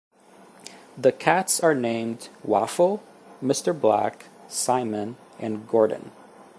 The cats are named Waffle, Mr. Black, Simon, and Gordon.